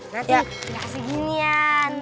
nanti dikasih ginian